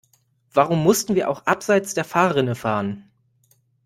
Warum mussten wir auch abseits der Fahrrinne fahren?